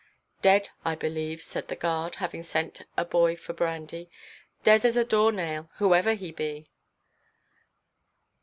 "Dead, I believe," said the guard, having sent a boy for brandy, "dead as a door–nail, whoever he be."